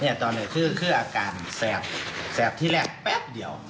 เนี่ยตอนเนี่ยคืออาการแสบแสบที่แรกแป๊บเดี๋ยว